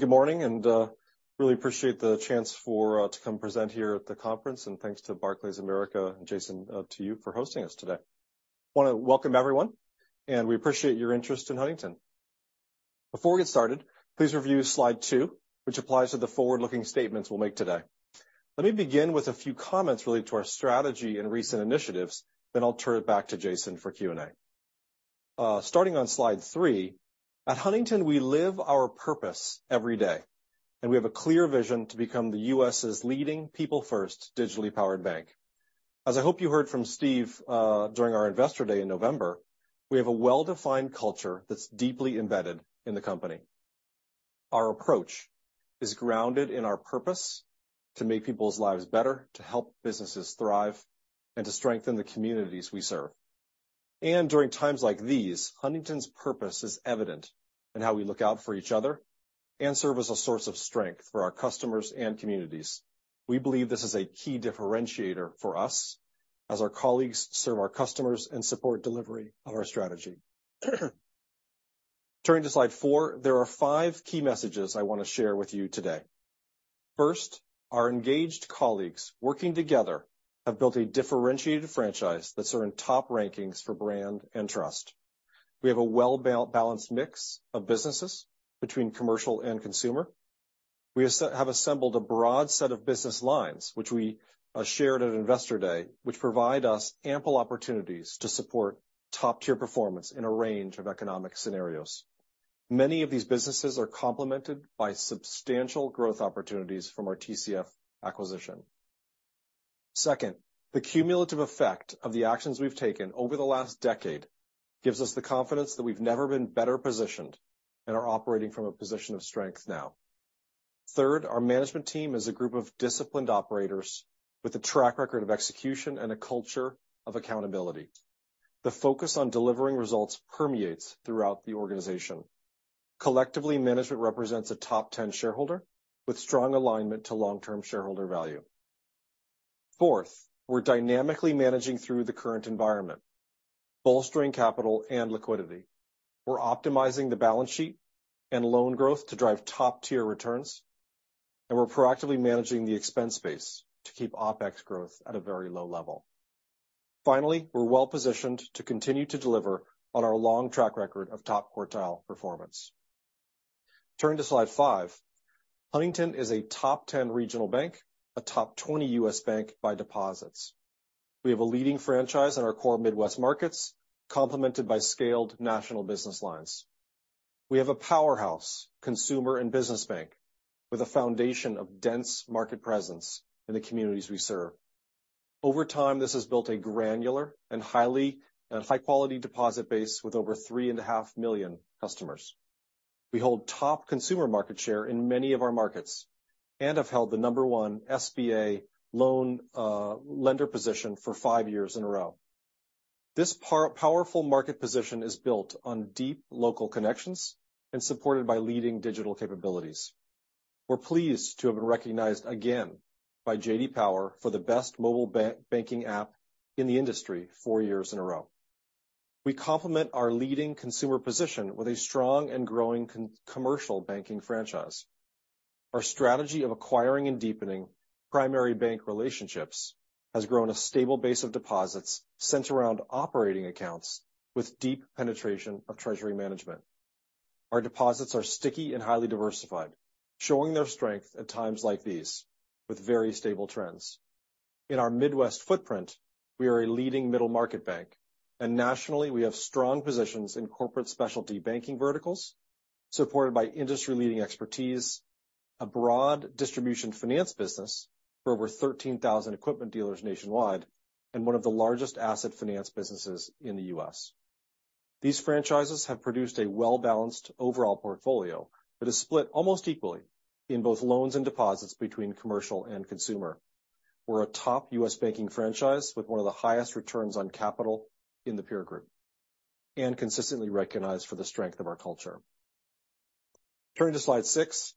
Good morning, really appreciate the chance to come present here at the conference and thanks to Barclays Americas and Jason, to you for hosting us today. I wanna welcome everyone, and we appreciate your interest in Huntington. Before we get started, please review slide two, which applies to the forward-looking statements we'll make today. Let me begin with a few comments related to our strategy and recent initiatives, then I'll turn it back to Jason for Q&A. Starting on slide three, at Huntington, We live our purpose every day, and we have a clear vision to become the U.S.'s leading people first digitally powered bank. As I hope you heard from Steve, during our Investor Day in November, we have a well-defined culture that's deeply embedded in the company. Our approach is grounded in our purpose to make people's lives better, to help businesses thrive, and to strengthen the communities we serve. During times like these, Huntington's purpose is evident in how we look out for each other and serve as a source of strength for our customers and communities. We believe this is a key differentiator for us, as our colleagues serve our customers and support delivery of our strategy. Turning to slide four, there are five key messages I wanna share with you today. First, our engaged colleagues working together have built a differentiated franchise that's earned top rankings for brand and trust. We have a well-balanced mix of businesses between commercial and consumer. We have assembled a broad set of business lines, which we shared at Investor Day, which provide us ample opportunities to support top-tier performance in a range of economic scenarios. Many of these businesses are complemented by substantial growth opportunities from our TCF acquisition. Second, the cumulative effect of the actions we've taken over the last decade gives us the confidence that we've never been better positioned and are operating from a position of strength now. Third, our management team is a group of disciplined operators with a track record of execution and a culture of accountability. The focus on delivering results permeates throughout the organization. Collectively, management represents a top ten shareholder with strong alignment to long-term shareholder value. Fourth, we're dynamically managing through the current environment, bolstering capital and liquidity. We're optimizing the balance sheet and loan growth to drive top-tier returns. We're proactively managing the expense base to keep OpEx growth at a very low level. Finally, we're well-positioned to continue to deliver on our long track record of top quartile performance. Turning to slide five. Huntington is a top ten regional bank, a top 20 U.S. bank by deposits. We have a leading franchise in our core Midwest markets, complemented by scaled national business lines. We have a powerhouse consumer and business bank with a foundation of dense market presence in the communities we serve. Over time, this has built a granular and highly high quality deposit base with over 3.5 million customers. We hold top consumer market share in many of our markets and have held the number one SBA loan lender position for five years in a row. This powerful market position is built on deep local connections and supported by leading digital capabilities. We're pleased to have been recognized again by J.D. Power for the best mobile banking app in the industry four years in a row. We complement our leading consumer position with a strong and growing commercial banking franchise. Our strategy of acquiring and deepening primary bank relationships has grown a stable base of deposits centered around operating accounts with deep penetration of treasury management. Our deposits are sticky and highly diversified, showing their strength at times like these with very stable trends. In our Midwest footprint, we are a leading middle market bank, and nationally, we have strong positions in corporate specialty banking verticals, supported by industry-leading expertise, a broad distribution finance business for over 13,000 equipment dealers nationwide, and one of the largest asset finance businesses in the U.S. These franchises have produced a well-balanced overall portfolio that is split almost equally in both loans and deposits between commercial and consumer. We're a top U.S. banking franchise with one of the highest returns on capital in the peer group and consistently recognized for the strength of our culture. Turning to slide six.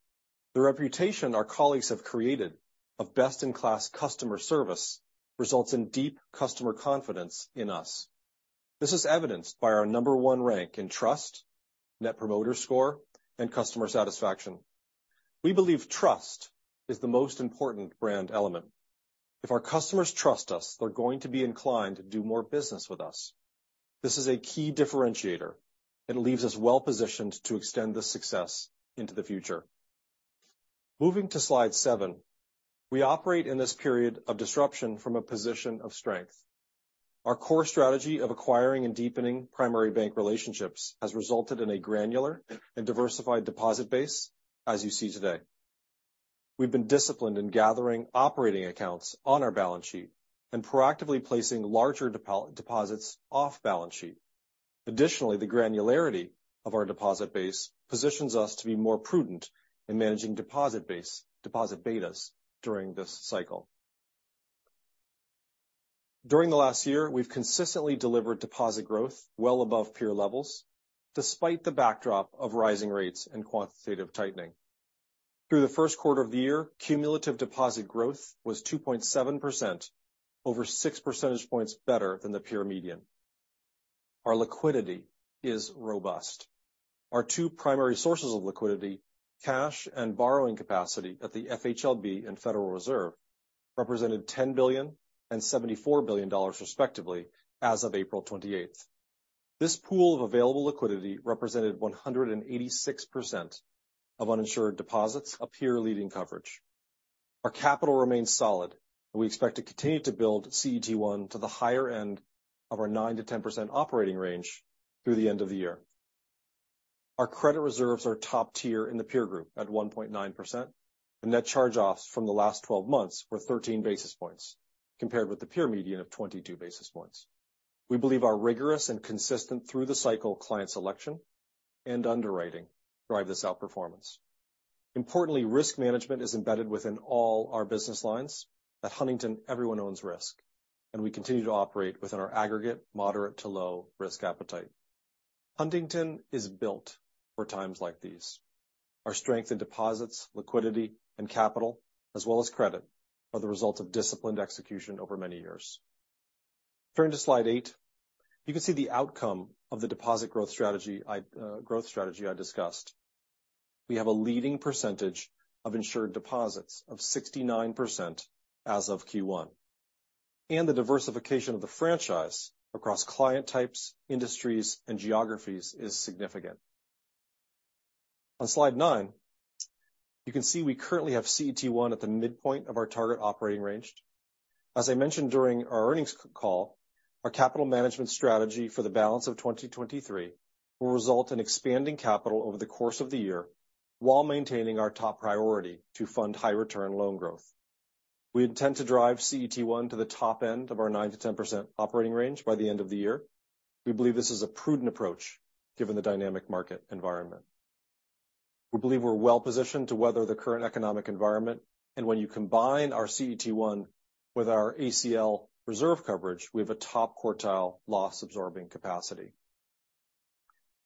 The reputation our colleagues have created of best-in-class customer service results in deep customer confidence in us. This is evidenced by our number one rank in trust, Net Promoter Score, and customer satisfaction. We believe trust is the most important brand element. If our customers trust us, they're going to be inclined to do more business with us. This is a key differentiator. It leaves us well-positioned to extend this success into the future. Moving to slide seven. We operate in this period of disruption from a position of strength. Our core strategy of acquiring and deepening primary bank relationships has resulted in a granular and diversified deposit base as you see today. We've been disciplined in gathering operating accounts on our balance sheet and proactively placing larger deposits off balance sheet. The granularity of our deposit base positions us to be more prudent in managing deposit betas during this cycle. During the last year, we've consistently delivered deposit growth well above peer levels, despite the backdrop of rising rates and quantitative tightening. Through the first quarter of the year, cumulative deposit growth was 2.7%, over six percentage points better than the peer median. Our liquidity is robust. Our two primary sources of liquidity, cash and borrowing capacity at the FHLB and Federal Reserve, represented $10 billion and $74 billion respectively as of April 28th. This pool of available liquidity represented 186% of uninsured deposits of peer-leading coverage. Our capital remains solid, and we expect to continue to build CET1 to the higher end of our 9%-10% operating range through the end of the year. Our credit reserves are top tier in the peer group at 1.9%, and net charge-offs from the last 12 months were 13 basis points compared with the peer median of 22 basis points. We believe our rigorous and consistent through the cycle client selection and underwriting drive this outperformance. Importantly, risk management is embedded within all our business lines. At Huntington, everyone owns risk, and we continue to operate within our aggregate moderate to low risk appetite. Huntington is built for times like these. Our strength in deposits, liquidity, and capital, as well as credit, are the result of disciplined execution over many years. Turning to slide eight, you can see the outcome of the deposit growth strategy I discussed. We have a leading percentage of insured deposits of 69% as of Q1, and the diversification of the franchise across client types, industries, and geographies is significant. On slide nine, you can see we currently have CET1 at the midpoint of our target operating range. As I mentioned during our earnings call, our capital management strategy for the balance of 2023 will result in expanding capital over the course of the year while maintaining our top priority to fund high return loan growth. We intend to drive CET1 to the top end of our 9%-10% operating range by the end of the year. We believe this is a prudent approach given the dynamic market environment. We believe we're well-positioned to weather the current economic environment. When you combine our CET1 with our ACL reserve coverage, we have a top quartile loss absorbing capacity.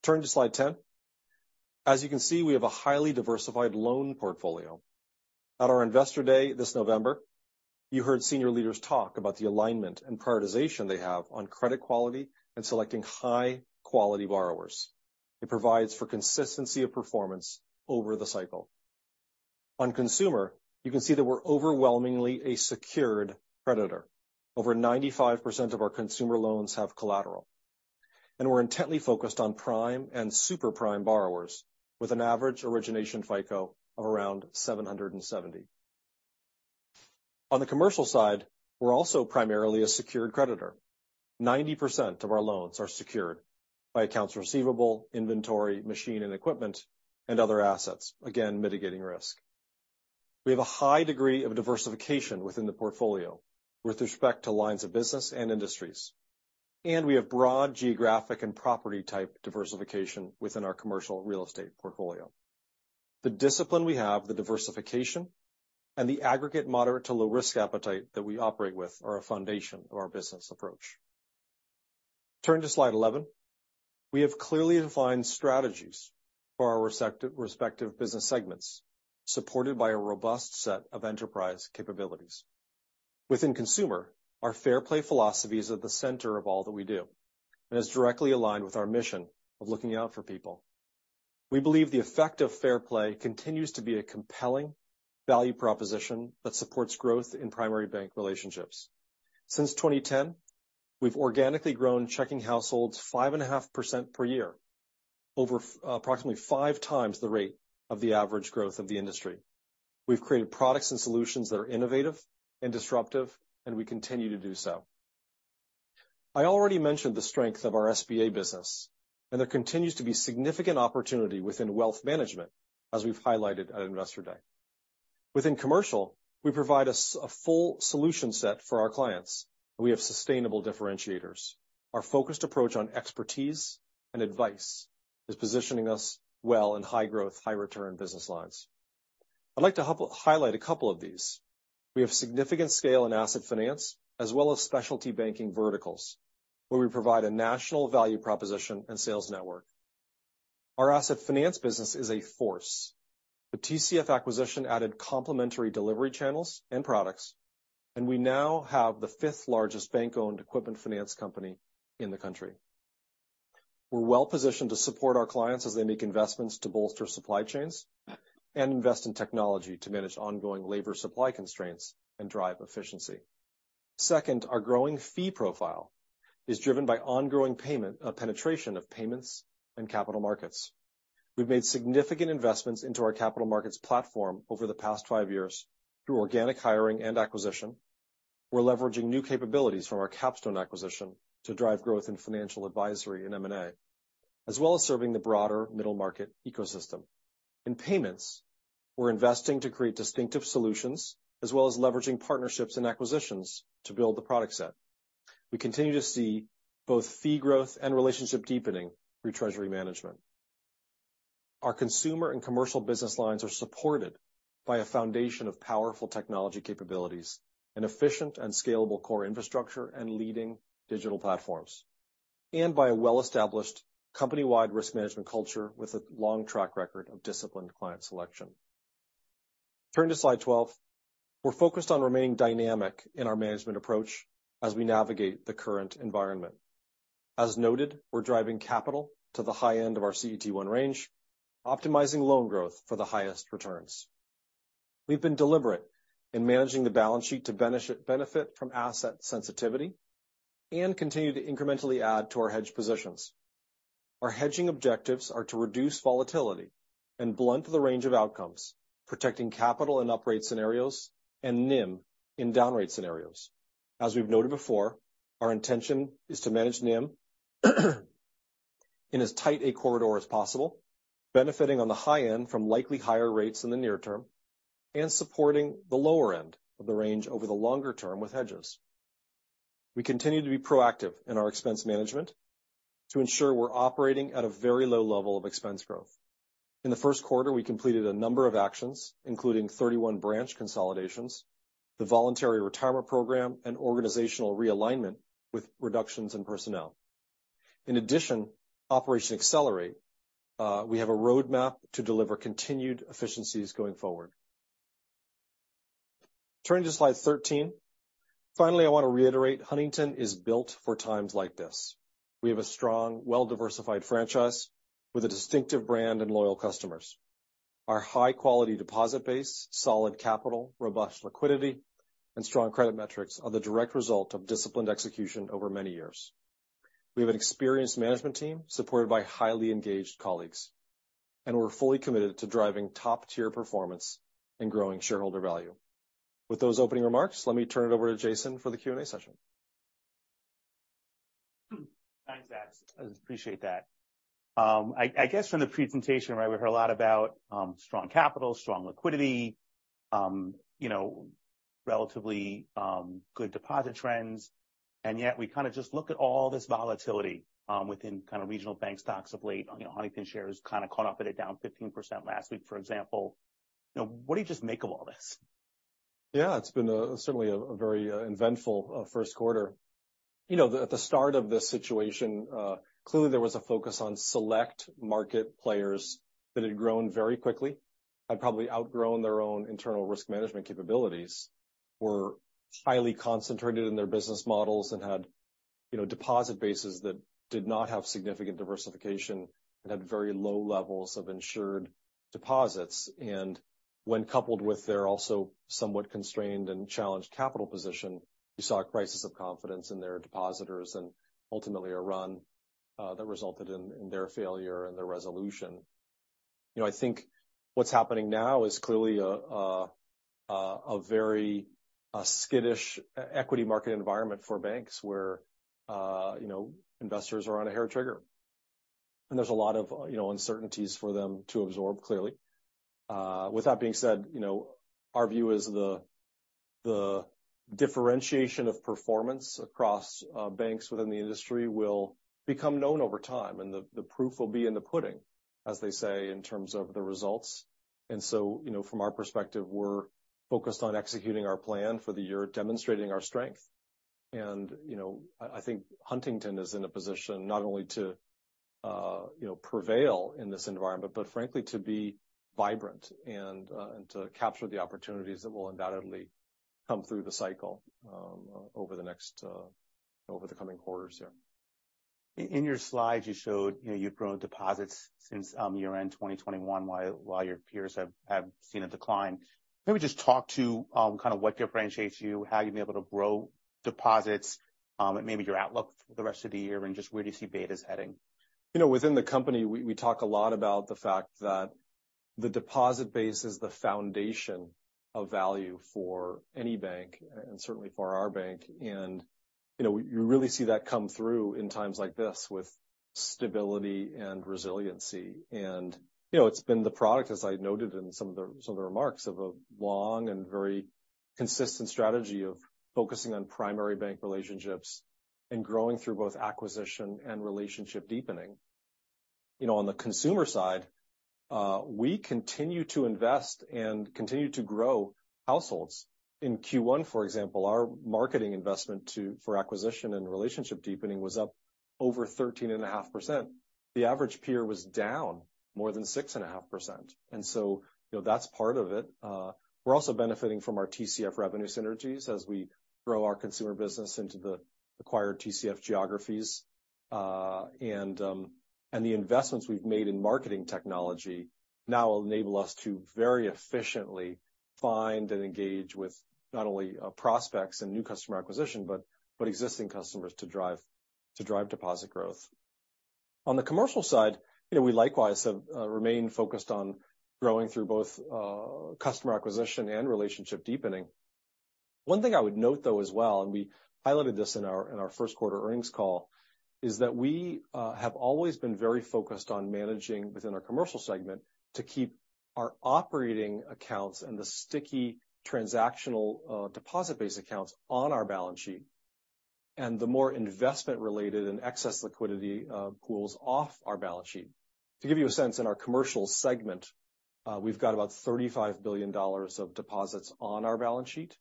Turn to slide ten. As you can see, we have a highly diversified loan portfolio. At our Investor Day this November, you heard senior leaders talk about the alignment and prioritization they have on credit quality and selecting high-quality borrowers. It provides for consistency of performance over the cycle. On consumer, you can see that we're overwhelmingly a secured creditor. Over 95% of our consumer loans have collateral. We're intently focused on prime and super prime borrowers with an average origination FICO of around 770. On the commercial side, we're also primarily a secured creditor. 90% of our loans are secured by accounts receivable, inventory, machine and equipment, and other assets, again, mitigating risk. We have a high degree of diversification within the portfolio with respect to lines of business and industries, and we have broad geographic and property type diversification within our commercial real estate portfolio. The discipline we have, the diversification, and the aggregate moderate to low risk appetite that we operate with are a foundation of our business approach. Turn to slide 11. We have clearly defined strategies for our respective business segments, supported by a robust set of enterprise capabilities. Within consumer, our Fair Play philosophy is at the center of all that we do and is directly aligned with our mission of looking out for people. We believe the effect of Fair Play continues to be a compelling value proposition that supports growth in primary bank relationships. Since 2010, we've organically grown checking households 5.5% per year approximately five times the rate of the average growth of the industry. We've created products and solutions that are innovative and disruptive, and we continue to do so. I already mentioned the strength of our SBA business, and there continues to be significant opportunity within wealth management as we've highlighted at Investor Day. Within commercial, we provide a full solution set for our clients. We have sustainable differentiators. Our focused approach on expertise and advice is positioning us well in high growth, high return business lines. I'd like to highlight a couple of these. We have significant scale in asset finance as well as specialty banking verticals, where we provide a national value proposition and sales network. Our asset finance business is a force. The TCF acquisition added complementary delivery channels and products. We now have the fifth-largest bank-owned equipment finance company in the country. We're well-positioned to support our clients as they make investments to bolster supply chains and invest in technology to manage ongoing labor supply constraints and drive efficiency. Second, our growing fee profile is driven by ongoing payment penetration of payments and capital markets. We've made significant investments into our capital markets platform over the past five years through organic hiring and acquisition. We're leveraging new capabilities from our Capstone acquisition to drive growth in financial advisory and M&A, as well as serving the broader middle market ecosystem. In payments, we're investing to create distinctive solutions as well as leveraging partnerships and acquisitions to build the product set. We continue to see both fee growth and relationship deepening through treasury management. Our consumer and commercial business lines are supported by a foundation of powerful technology capabilities and efficient and scalable core infrastructure and leading digital platforms, by a well-established company-wide risk management culture with a long track record of disciplined client selection. Turn to slide 12. We're focused on remaining dynamic in our management approach as we navigate the current environment. As noted, we're driving capital to the high end of our CET1 range, optimizing loan growth for the highest returns. We've been deliberate in managing the balance sheet to benefit from asset sensitivity and continue to incrementally add to our hedge positions. Our hedging objectives are to reduce volatility and blunt the range of outcomes, protecting capital and operate scenarios and NIM in down rate scenarios. As we've noted before, our intention is to manage NIM in as tight a corridor as possible, benefiting on the high end from likely higher rates in the near term and supporting the lower end of the range over the longer term with hedges. We continue to be proactive in our expense management to ensure we're operating at a very low level of expense growth. In the first quarter, we completed a number of actions, including 31 branch consolidations, the voluntary retirement program, and organizational realignment with reductions in personnel. In addition, Operation Accelerate, we have a roadmap to deliver continued efficiencies going forward. Turning to slide 13. Finally, I want to reiterate Huntington is built for times like this. We have a strong, well-diversified franchise with a distinctive brand and loyal customers. Our high-quality deposit base, solid capital, robust liquidity, and strong credit metrics are the direct result of disciplined execution over many years. We have an experienced management team supported by highly engaged colleagues. We're fully committed to driving top-tier performance and growing shareholder value. With those opening remarks, let me turn it over to Jason for the Q&A session. Thanks, Zach. I appreciate that. I guess from the presentation, right, we heard a lot about strong capital, strong liquidity, you know, relatively, good deposit trends. Yet we kind of just look at all this volatility within kind of regional bank stocks of late. You know, Huntington shares kind of caught up with it, down 15% last week, for example. You know, what do you just make of all this? It's been a, certainly a very eventful first quarter. You know, at the start of this situation, clearly there was a focus on select market players that had grown very quickly and probably outgrown their own internal risk management capabilities, were highly concentrated in their business models and had, you know, deposit bases that did not have significant diversification and had very low levels of insured deposits. And when coupled with their also somewhat constrained and challenged capital position, you saw a crisis of confidence in their depositors and ultimately a run that resulted in their failure and their resolution. You know, I think what's happening now is clearly a very skittish equity market environment for banks where, you know, investors are on a hair trigger. There's a lot of, you know, uncertainties for them to absorb, clearly. With that being said, you know, our view is the differentiation of performance across banks within the industry will become known over time, and the proof will be in the pudding, as they say, in terms of the results. You know, from our perspective, we're focused on executing our plan for the year, demonstrating our strength. You know, I think Huntington is in a position not only to, you know, prevail in this environment, but frankly to be vibrant and to capture the opportunities that will undoubtedly come through the cycle over the next over the coming quarters here. In your slides, you showed, you know, you've grown deposits since year-end 2021 while your peers have seen a decline. Maybe just talk to kind of what differentiates you, how you've been able to grow deposits, and maybe your outlook for the rest of the year and just where do you see betas heading. You know, within the company we talk a lot about the fact that the deposit base is the foundation of value for any bank and certainly for our bank. You know, you really see that come through in times like this with stability and resiliency. You know, it's been the product, as I noted in some of the, some of the remarks, of a long and very consistent strategy of focusing on primary bank relationships and growing through both acquisition and relationship deepening. You know, on the consumer side, we continue to invest and continue to grow households. In Q1, for example, our marketing investment for acquisition and relationship deepening was up over 13.5%. The average peer was down more than 6.5%. You know, that's part of it. We're also benefiting from our TCF revenue synergies as we grow our consumer business into the acquired TCF geographies. The investments we've made in marketing technology now enable us to very efficiently find and engage with not only prospects and new customer acquisition but existing customers to drive deposit growth. On the commercial side, you know, we likewise have remained focused on growing through both customer acquisition and relationship deepening. One thing I would note though as well, and we highlighted this in our first quarter earnings call, is that we have always been very focused on managing within our commercial segment to keep our operating accounts and the sticky transactional deposit-based accounts on our balance sheet and the more investment related and excess liquidity pools off our balance sheet. To give you a sense, in our commercial segment, we've got about $35 billion of deposits on our balance sheet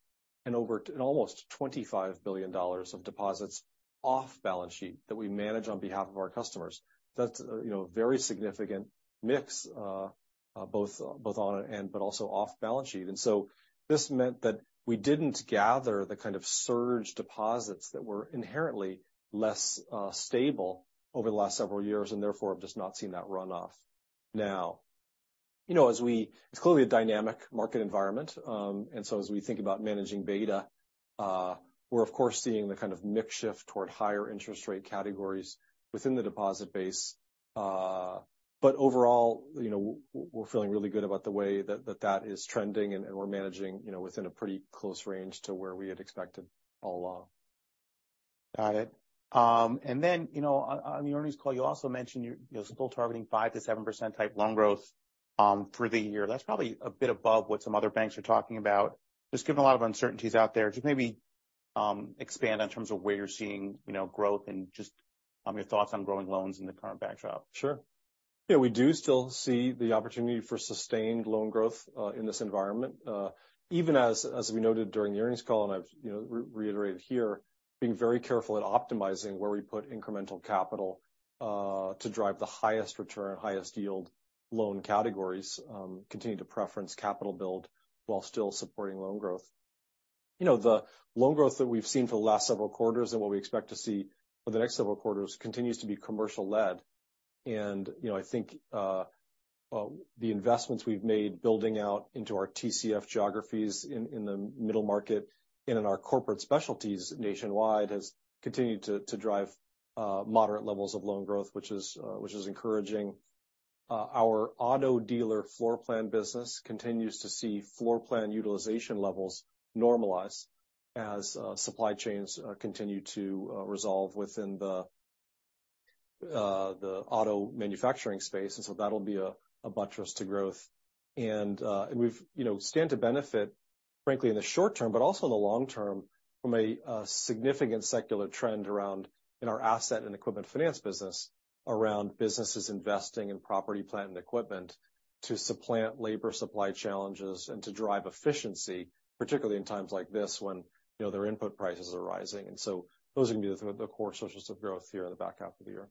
and almost $25 billion of deposits off balance sheet that we manage on behalf of our customers. That's, you know, very significant mix, both on and off balance sheet. This meant that we didn't gather the kind of surge deposits that were inherently less stable over the last several years and therefore have just not seen that run off. You know, as we, it's clearly a dynamic market environment. As we think about managing beta, we're of course seeing the kind of mix shift toward higher interest rate categories within the deposit base. Overall, you know, we're feeling really good about the way that that is trending and we're managing, you know, within a pretty close range to where we had expected all along. Got it. You know, on the earnings call, you also mentioned you're still targeting 5% to 7% type loan growth through the year. That's probably a bit above what some other banks are talking about. Just given a lot of uncertainties out there, just maybe expand on terms of where you're seeing, you know, growth and just your thoughts on growing loans in the current backdrop. Sure. Yeah, we do still see the opportunity for sustained loan growth in this environment. Even as we noted during the earnings call, and I've, you know, reiterated here, being very careful at optimizing where we put incremental capital to drive the highest return, highest yield loan categories, continue to preference capital build while still supporting loan growth. You know, the loan growth that we've seen for the last several quarters and what we expect to see for the next several quarters continues to be commercial-led. You know, I think the investments we've made building out into our TCF geographies in the middle market and in our corporate specialties nationwide has continued to drive moderate levels of loan growth, which is encouraging. Our auto dealer floorplan business continues to see floorplan utilization levels normalize as supply chains continue to resolve within the auto manufacturing space. That'll be a buttress to growth. We've, you know, stand to benefit, frankly, in the short term, but also in the long term from a significant secular trend around in our asset and equipment finance business, around businesses investing in property, plant, and equipment to supplant labor supply challenges and to drive efficiency, particularly in times like this when, you know, their input prices are rising. Those are going to be the core sources of growth here in the back half of the year.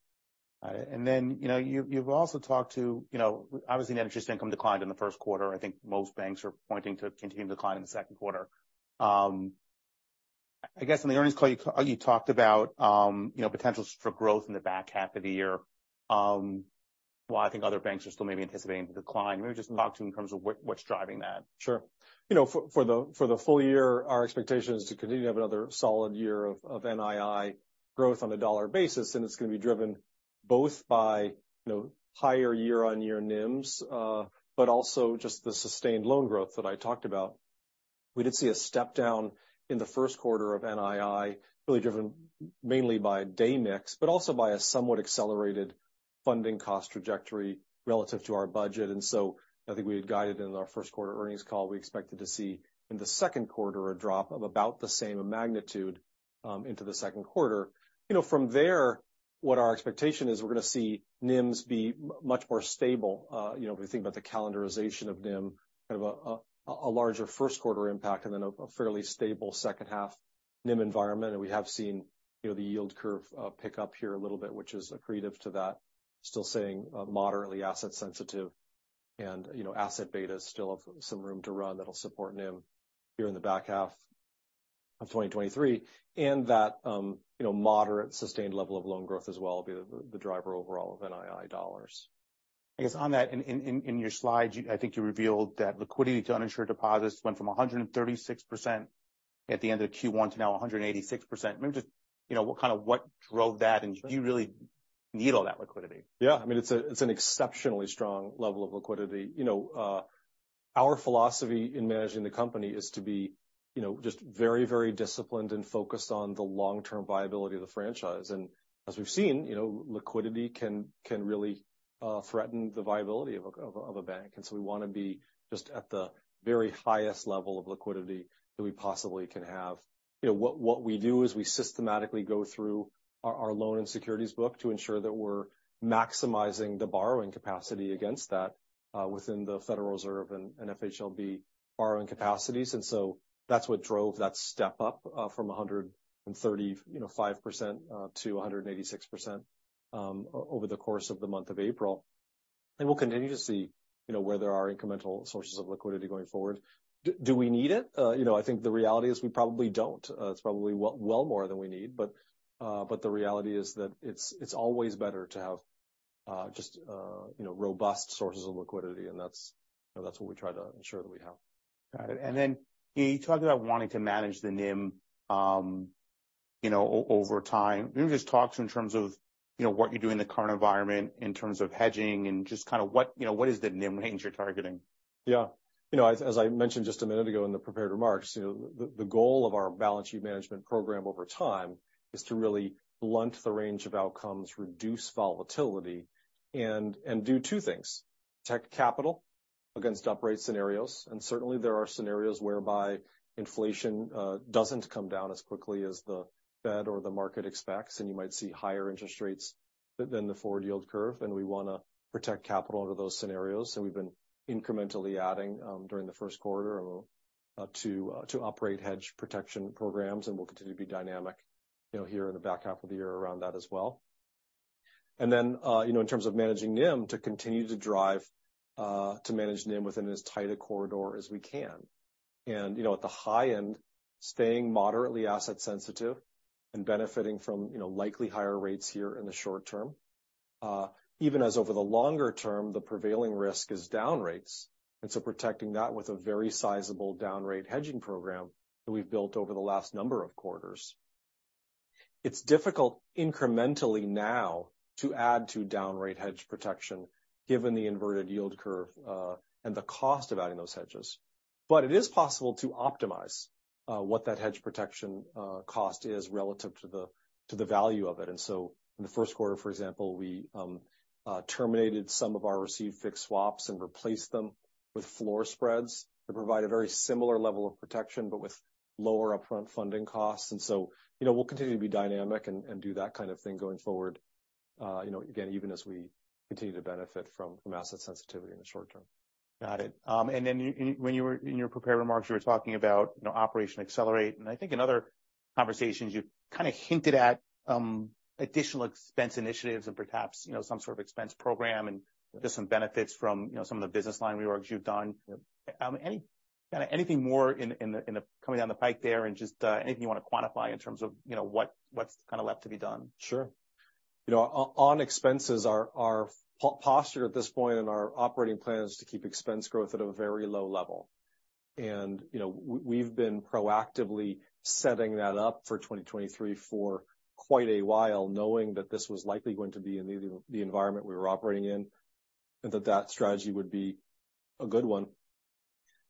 Got it. you know, you've also talked to, you know, obviously net interest income declined in the first quarter. I think most banks are pointing to continued decline in the second quarter. I guess in the earnings call you talked about, you know, potentials for growth in the back half of the year, while I think other banks are still maybe anticipating the decline. Maybe just talk to me in terms of what's driving that? Sure. You know, for the full year, our expectation is to continue to have another solid year of NII growth on a dollar basis, and it's gonna be driven both by, you know, higher year-on-year NIMs, but also just the sustained loan growth that I talked about. We did see a step down in the first quarter of NII, really driven mainly by day mix, but also by a somewhat accelerated funding cost trajectory relative to our budget. I think we had guided in our first quarter earnings call, we expected to see in the second quarter a drop of about the same magnitude into the second quarter. You know, from there, what our expectation is we're gonna see NIMs be much more stable. You know, if we think about the calendarization of NIM, a larger first quarter impact and then a fairly stable second half NIM environment. We have seen, you know, the yield curve pick up here a little bit, which is accretive to that. Still seeing moderately asset sensitive and, you know, asset betas still have some room to run that'll support NIM here in the back half of 2023. That, you know, moderate sustained level of loan growth as well be the driver overall of NII dollars. I guess on that, in your slides, I think you revealed that liquidity to uninsured deposits went from 136% at the end of Q1 to now 186%. Maybe just, you know, what kind of what drove that, and do you really need all that liquidity? Yeah. I mean, it's an exceptionally strong level of liquidity. You know, our philosophy in managing the company is to be, you know, just very, very disciplined and focused on the long-term viability of the franchise. As we've seen, you know, liquidity can really, threaten the viability of a bank. We wanna be just at the very highest level of liquidity that we possibly can have. You know, what we do is we systematically go through our loan and securities book to ensure that we're maximizing the borrowing capacity against that, within the Federal Reserve and FHLB borrowing capacities. That's what drove that step up, from 135%, to 186% over the course of the month of April. We'll continue to see, you know, where there are incremental sources of liquidity going forward. Do we need it? You know, I think the reality is we probably don't. It's probably well more than we need, but the reality is that it's always better to have just, you know, robust sources of liquidity, and that's, you know, that's what we try to ensure that we have. Got it. You talked about wanting to manage the NIM, you know, over time. Maybe just talk to me in terms of, you know, what you do in the current environment in terms of hedging and just kind of what, you know, what is the NIM range you're targeting? Yeah. You know, as I mentioned just a minute ago in the prepared remarks, you know, the goal of our balance sheet management program over time is to really blunt the range of outcomes, reduce volatility, and do two things: protect capital-Against upright scenarios. Certainly there are scenarios whereby inflation doesn't come down as quickly as the Fed or the market expects, and you might see higher interest rates than the forward yield curve. We want to protect capital under those scenarios. We've been incrementally adding during the first quarter to operate hedge protection programs. We'll continue to be dynamic, you know, here in the back half of the year around that as well. You know, in terms of managing NIM, to continue to drive, to manage NIM within as tight a corridor as we can. You know, at the high end, staying moderately asset sensitive and benefiting from, you know, likely higher rates here in the short term, even as over the longer term the prevailing risk is down rates. Protecting that with a very sizable down rate hedging program that we've built over the last number of quarters. It's difficult incrementally now to add to down rate hedge protection given the inverted yield curve and the cost of adding those hedges. It is possible to optimize what that hedge protection cost is relative to the value of it. In the first quarter, for example, we terminated some of our received fixed swaps and replaced them with floor spreads that provide a very similar level of protection but with lower upfront funding costs. You know, we'll continue to be dynamic and do that kind of thing going forward, you know, again, even as we continue to benefit from asset sensitivity in the short term. Got it. When you were in your prepared remarks, you were talking about, you know, Operation Accelerate, and I think in other conversations you kind of hinted at additional expense initiatives and perhaps, you know, some sort of expense program, and there's some benefits from, you know, some of the business line reorgs you've done. Anything more in the coming down the pike there and just anything you want to quantify in terms of, you know, what's kind of left to be done? Sure. You know, on expenses our posture at this point and our operating plan is to keep expense growth at a very low level. You know, we've been proactively setting that up for 2023 for quite a while, knowing that this was likely going to be the environment we were operating in, and that that strategy would be a good one.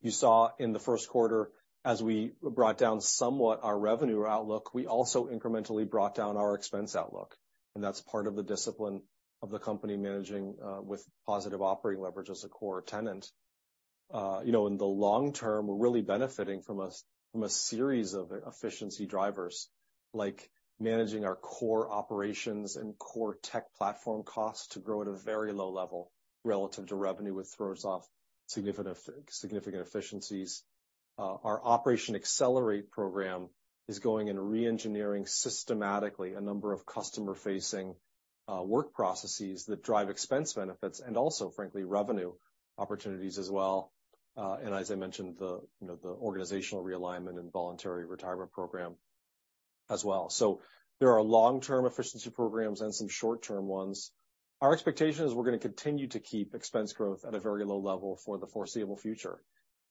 You saw in the first quarter as we brought down somewhat our revenue outlook, we also incrementally brought down our expense outlook. That's part of the discipline of the company managing with positive operating leverage as a core tenant. You know, in the long term, we're really benefiting from a series of efficiency drivers, like managing our core operations and core tech platform costs to grow at a very low level relative to revenue, which throws off significant efficiencies. Our Operation Accelerate program is going and reengineering systematically a number of customer-facing work processes that drive expense benefits and also, frankly, revenue opportunities as well. As I mentioned, the, you know, the organizational realignment and voluntary retirement program as well. There are long-term efficiency programs and some short-term ones. Our expectation is we're going to continue to keep expense growth at a very low level for the foreseeable future.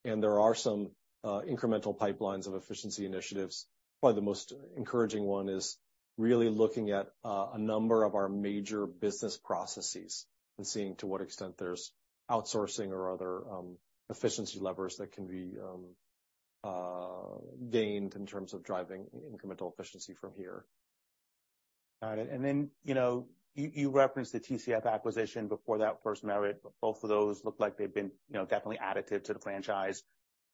There are some incremental pipelines of efficiency initiatives. Probably the most encouraging one is really looking at a number of our major business processes and seeing to what extent there's outsourcing or other efficiency levers that can be gained in terms of driving incremental efficiency from here. Got it. Then, you know, you referenced the TCF acquisition before that FirstMerit. Both of those look like they've been, you know, definitely additive to the franchise,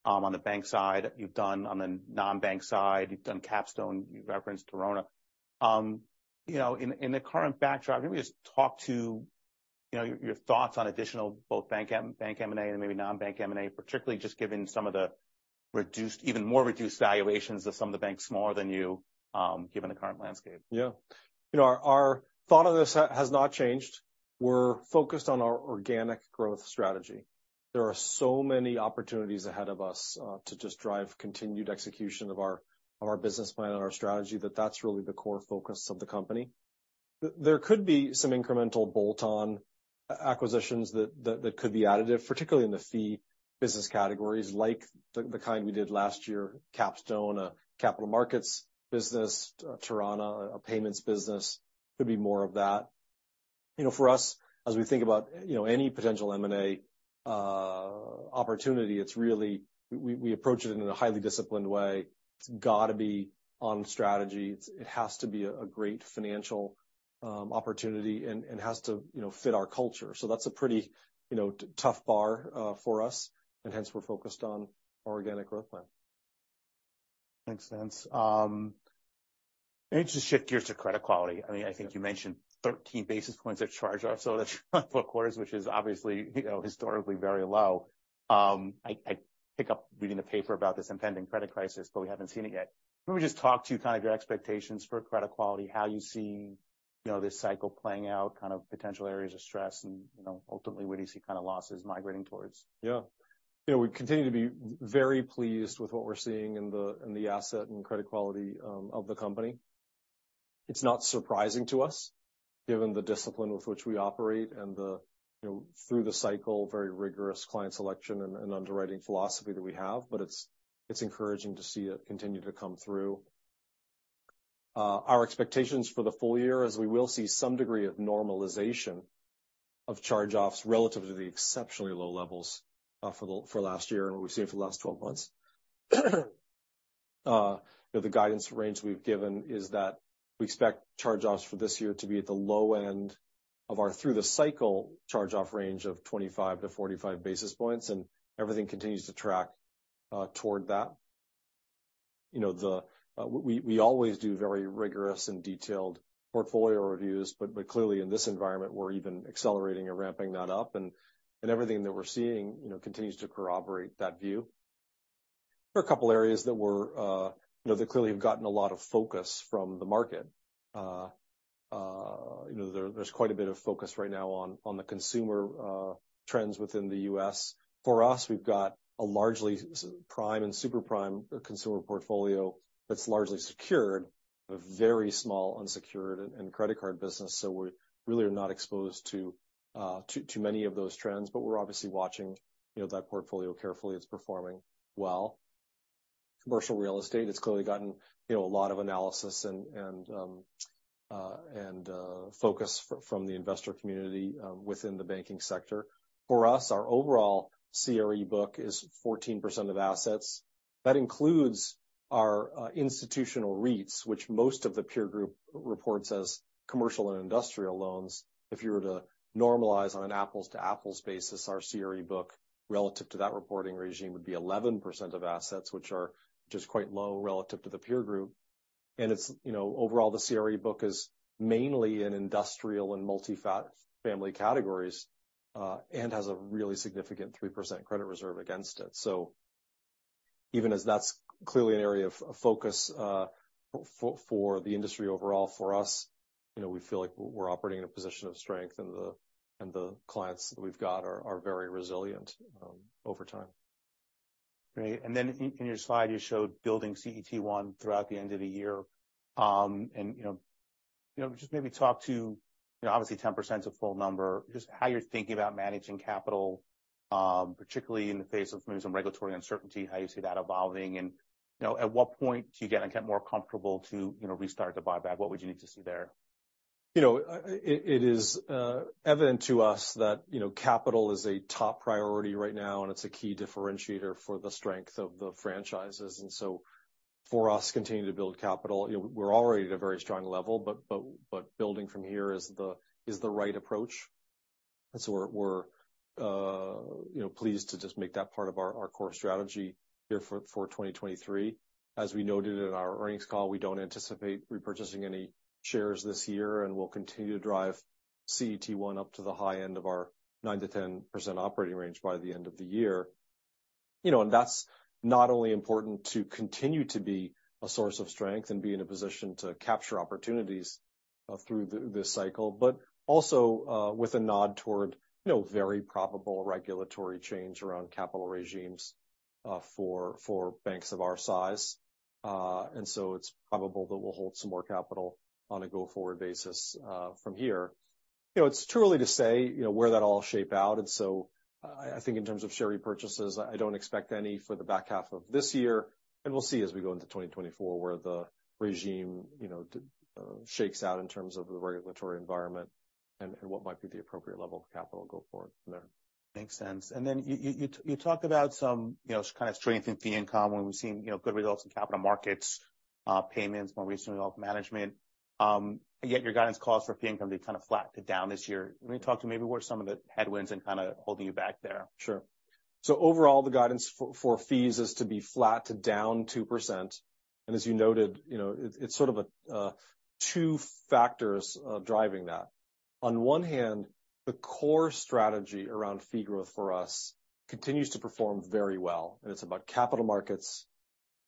on the bank side. You've done on the non-bank side, you've done Capstone, you've referenced Torana. You know, in the current backdrop, maybe just talk to, you know, your thoughts on additional both bank M&A and maybe non-bank M&A, particularly just given some of the reduced, even more reduced valuations of some of the banks smaller than you, given the current landscape? Yeah. You know, our thought on this has not changed. We're focused on our organic growth strategy. There are so many opportunities ahead of us to just drive continued execution of our business plan and our strategy that that's really the core focus of the company. There could be some incremental bolt-on acquisitions that could be additive, particularly in the fee business categories like the kind we did last year, Capstone, a capital markets business, Torana, a payments business. Could be more of that. You know, for us, as we think about, you know, any potential M&A opportunity, it's really we approach it in a highly disciplined way. It's got to be on strategy. It has to be a great financial opportunity and has to, you know, fit our culture. that's a pretty, you know, tough bar for us and hence we're focused on our organic growth plan. Makes sense. Maybe just shift gears to credit quality. I mean, I think you mentioned 13 basis points of charge-offs over the 12 quarters, which is obviously, you know, historically very low. I pick up reading the paper about this impending credit crisis, but we haven't seen it yet. Can we just talk to kind of your expectations for credit quality, how you see, you know, this cycle playing out, kind of potential areas of stress and, you know, ultimately where do you see kind of losses migrating towards? Yeah. You know, we continue to be very pleased with what we're seeing in the asset and credit quality of the company. It's not surprising to us given the discipline with which we operate and, you know, through the cycle, very rigorous client selection and underwriting philosophy that we have, but it's encouraging to see it continue to come through. Our expectations for the full year is we will see some degree of normalization of charge-offs relative to the exceptionally low levels for last year and what we've seen for the last 12 months. You know, the guidance range we've given is that we expect charge-offs for this year to be at the low end of our through-the-cycle charge-off range of 25-45 basis points. Everything continues to track toward that. You know, we always do very rigorous and detailed portfolio reviews, but clearly, in this environment, we're even accelerating and ramping that up and everything that we're seeing, you know, continues to corroborate that view. There are a couple areas that we're, you know, that clearly have gotten a lot of focus from the market. You know, there's quite a bit of focus right now on the consumer trends within the U.S. For us, we've got a largely prime and super prime consumer portfolio that's largely secured, a very small unsecured and credit card business, so we really are not exposed to many of those trends. We're obviously watching, you know, that portfolio carefully. It's performing well. Commercial real estate, it's clearly gotten, you know, a lot of analysis and, and focus from the investor community within the banking sector. For us, our overall CRE book is 14% of assets. That includes our institutional REITs, which most of the peer group reports as commercial and industrial loans. If you were to normalize on an apples-to-apples basis, our CRE book relative to that reporting regime would be 11% of assets, which are just quite low relative to the peer group. It's, you know, overall, the CRE book is mainly in industrial and multi-family categories, and has a really significant 3% credit reserve against it. Even as that's clearly an area of focus, for the industry overall, for us, you know, we feel like we're operating in a position of strength, and the clients that we've got are very resilient, over time. Great. Then in your slide, you showed building CET1 throughout the end of the year. you know, just maybe talk to, you know, obviously 10%'s a full number, just how you're thinking about managing capital, particularly in the face of maybe some regulatory uncertainty, how you see that evolving. you know, at what point do you get, again, more comfortable to, you know, restart the buyback? What would you need to see there? You know, it is evident to us that, you know, capital is a top priority right now, and it's a key differentiator for the strength of the franchises. For us, continuing to build capital, you know, we're already at a very strong level, but building from here is the right approach. We're, you know, pleased to just make that part of our core strategy here for 2023. As we noted in our earnings call, we don't anticipate repurchasing any shares this year, and we'll continue to drive CET1 up to the high end of our 9%-10% operating range by the end of the year. You know, that's not only important to continue to be a source of strength and be in a position to capture opportunities, through this cycle, but also, with a nod toward, you know, very probable regulatory change around capital regimes, for banks of our size. It's probable that we'll hold some more capital on a go-forward basis, from here. You know, it's too early to say, you know, where that'll all shape out. I think in terms of share repurchases, I don't expect any for the back half of this year, and we'll see as we go into 2024 where the regime, you know, shakes out in terms of the regulatory environment and what might be the appropriate level of capital go forward from there. Makes sense. You talked about some, you know, kind of strength in fee income when we've seen, you know, good results in capital markets, payments, more recently wealth management. Yet your guidance calls for fee income to be kind of flat to down this year. Can you talk to maybe where some of the headwinds and kind of holding you back there? Sure. Overall, the guidance for fees is to be flat to down 2%. As you noted, you know, it's sort of a two factors driving that. On one hand, the core strategy around fee growth for us continues to perform very well, and it's about capital markets,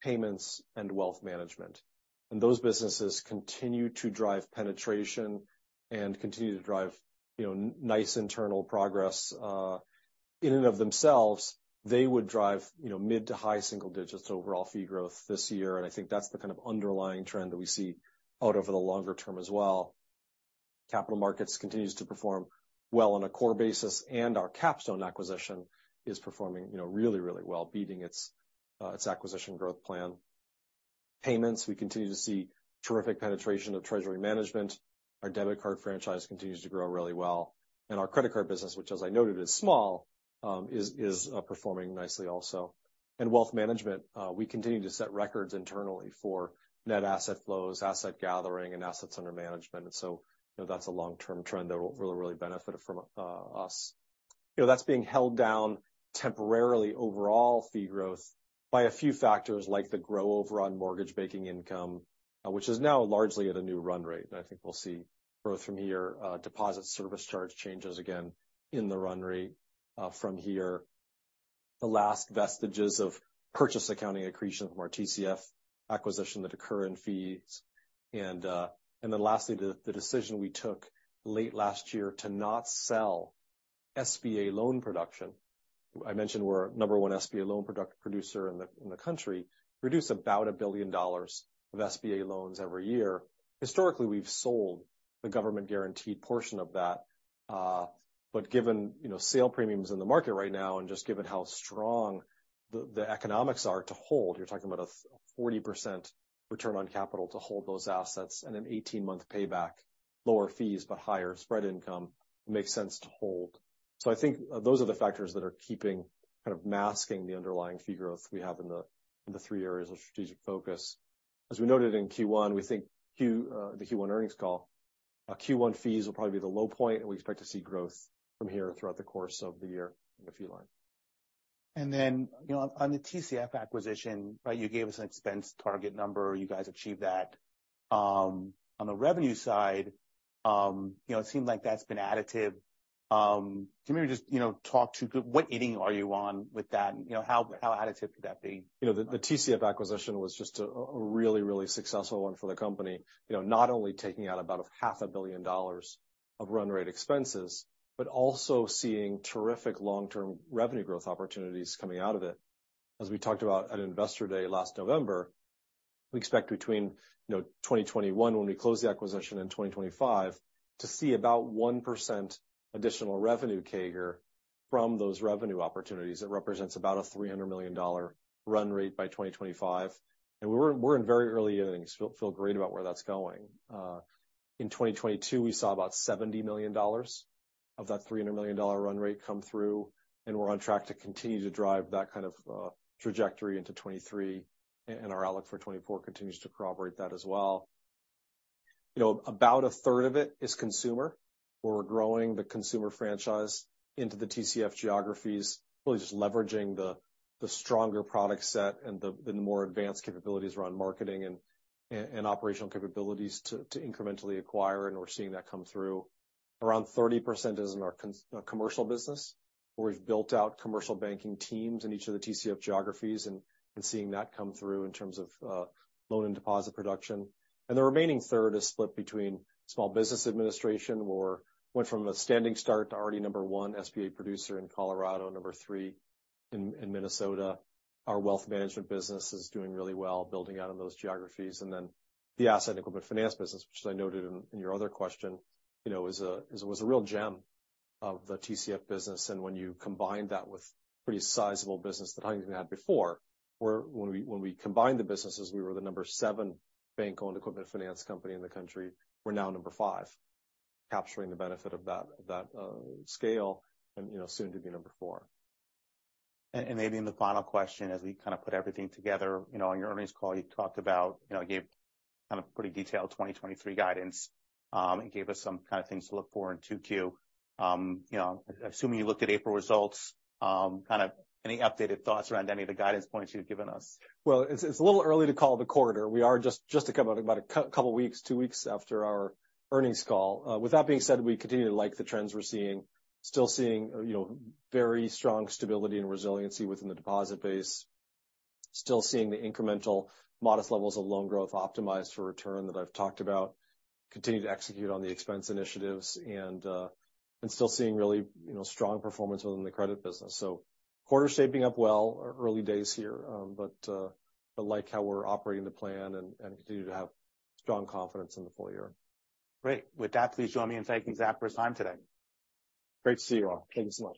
payments, and wealth management. Those businesses continue to drive penetration and continue to drive, you know, nice internal progress. In and of themselves, they would drive, you know, mid- to high single digits overall fee growth this year, and I think that's the kind of underlying trend that we see out over the longer term as well. Capital markets continues to perform well on a core basis, and our Capstone acquisition is performing, you know, really, really well, beating its acquisition growth plan. Payments, we continue to see terrific penetration of treasury management. Our debit card franchise continues to grow really well. Our credit card business, which as I noted, is small, is performing nicely also. In wealth management, we continue to set records internally for net asset flows, asset gathering, and assets under management. You know, that's a long-term trend that will really benefit from us. You know, that's being held down temporarily overall fee growth by a few factors like the grow overrun mortgage banking income, which is now largely at a new run rate. I think we'll see growth from here. Deposit service charge changes again in the run rate from here. The last vestiges of purchase accounting accretion from our TCF acquisition that occur in fees. Lastly, the decision we took late last year to not sell SBA loan production. I mentioned we're number one SBA loan producer in the country, produce about $1 billion of SBA loans every year. given, you know, sale premiums in the market right now and just given how strong the economics are to hold, you're talking about a 40% return on capital to hold those assets and an 18-month payback. Lower fees, but higher spread income makes sense to hold. I think those are the factors that are keeping, kind of masking the underlying fee growth we have in the three areas of strategic focus. As we noted in Q1, we think the Q1 earnings call, Q1 fees will probably be the low point, and we expect to see growth from here throughout the course of the year in the fee line. You know, on the TCF acquisition, right, you gave us an expense target number. You guys achieved that. On the revenue side, you know, it seemed like that's been additive. Can you maybe just, you know, talk to what inning are you on with that? You know, how additive could that be? You know, the TCF acquisition was just a really successful one for the company. You know, not only taking out about a half a billion dollars of run rate expenses, but also seeing terrific long-term revenue growth opportunities coming out of it. As we talked about at Investor Day last November, we expect between, you know, 2021 when we close the acquisition and 2025 to see about 1% additional revenue CAGR from those revenue opportunities. That represents about a $300 million run rate by 2025. We're in very early innings. Feel great about where that's going. In 2022, we saw about $70 million of that $300 million run rate come through, and we're on track to continue to drive that kind of trajectory into 2023. Our outlook for 2024 continues to corroborate that as well. You know, about a third of it is consumer, where we're growing the consumer franchise into the TCF geographies. Really just leveraging the stronger product set and the more advanced capabilities around marketing and operational capabilities to incrementally acquire, and we're seeing that come through. Around 30% is in our commercial business, where we've built out commercial banking teams in each of the TCF geographies and seeing that come through in terms of loan and deposit production. The remaining third is split between small business administration, where went from a standing start to already number one SBA producer in Colorado, number 3 in Minnesota. Our wealth management business is doing really well, building out in those geographies. The asset and equipment finance business, which I noted in your other question, you know, was a real gem of the TCF business. When you combine that with pretty sizable business that Huntington had before, when we combined the businesses, we were the number seven bank-owned equipment finance company in the country. We're now number five, capturing the benefit of that scale and, you know, soon to be number four. Maybe in the final question, as we kind of put everything together. You know, on your earnings call, you talked about, you know, gave kind of pretty detailed 2023 guidance, and gave us some kind of things to look for in Q2. You know, assuming you looked at April results, kind of any updated thoughts around any of the guidance points you'd given us? Well, it's a little early to call the quarter. We are just two weeks after our earnings call. With that being said, we continue to like the trends we're seeing. Still seeing, you know, very strong stability and resiliency within the deposit base. Still seeing the incremental modest levels of loan growth optimized for return that I've talked about. Continue to execute on the expense initiatives and still seeing really, you know, strong performance within the credit business. Quarter's shaping up well. Early days here, but like how we're operating the plan and continue to have strong confidence in the full year. Great. With that, please join me in thanking Zach for his time today. Great to see you all. Thank you so much.